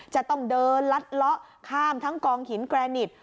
จะต้องเดินลัดเลาะข้ามทั้งกองหินแกรนิต